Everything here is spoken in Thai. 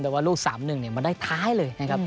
แต่ว่าลูก๓๑มาได้ท้ายเลยนะครับ